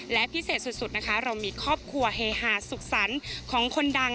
และพิเศษสุดนะคะเรามีครอบครัวเฮฮาสุขสรรค์ของคนดัง